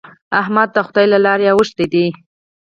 احمد د خدای له لارې اوښتی دی.